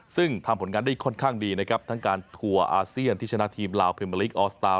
ซึ่งทำผลงานได้ค่อนข้างดีนะครับทั้งการทัวร์อาเซียนที่ชนะทีมลาวพิมเมอร์ลิกออสตาร์